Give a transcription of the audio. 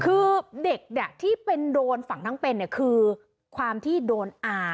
คือเด็กเนี่ยที่เป็นโดนฝังทั้งเป็นเนี่ยคือความที่โดนอา